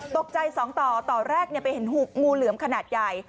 สองต่อต่อแรกไปเห็นงูเหลือมขนาดใหญ่